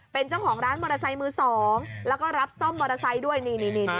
เป็นเจ้าของร้านมอเตอร์ไซค์มือสองแล้วก็รับซ่อมมอเตอร์ไซค์ด้วยนี่